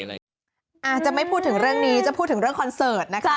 อาจจะไม่พูดถึงเรื่องนี้จะพูดถึงเรื่องคอนเสิร์ตนะคะ